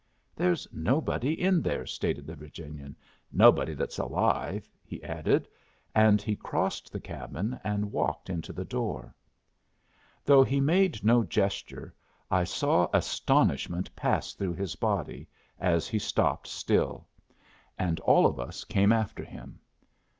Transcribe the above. "There's nobody in there," stated the Virginian. "Nobody that's alive," he added. And he crossed the cabin and walked into the door. Though he made no gesture, I saw astonishment pass through his body, as he stopped still; and all of us came after him.